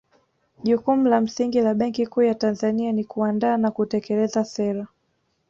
Jukumu la msingi la Benki Kuu ya Tanzania ni kuandaa na kutekeleza sera